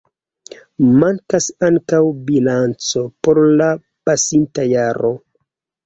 Mankas ankaŭ bilanco por la pasinta jaro.